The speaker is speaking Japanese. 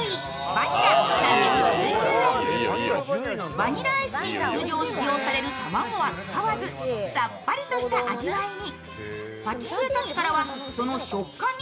バニラアイスに通常使用される卵は使わずさっぱりとした味わいに。